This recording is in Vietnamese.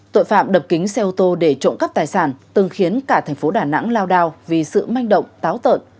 tội phạm đập kính xe ô tô để trộm cắp tài sản từng khiến cả thành phố đà nẵng lao đao vì sự manh động táo tợn